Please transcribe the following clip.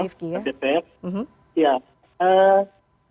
saya bicara terkait dengan pad